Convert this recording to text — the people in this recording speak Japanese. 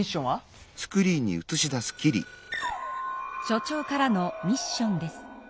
所長からのミッションです。